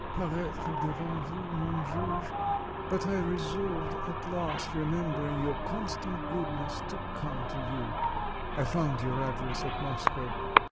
paraître devant vous, mon juge; but I resolved at last, remembering your constant goodness, to come to you; I found your address at Moscow.